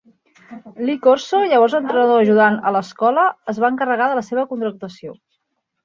Lee Corso, llavors entrenador ajudant a l'escola, es va encarregar de la seva contractació.